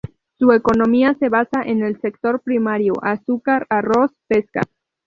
Su economía se basa en el sector primario: azúcar, arroz, pesca.